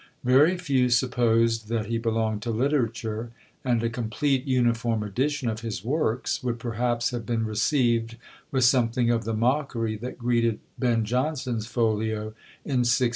Very few supposed that he belonged to literature; and a complete, uniform edition of his Works would perhaps have been received with something of the mockery that greeted Ben Jonson's folio in 1616.